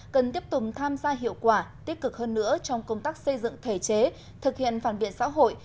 cần tiếp tục tham gia hiệu quả tích cực hơn nữa trong công tác xây dựng thể chế thực hiện phản biện xã hội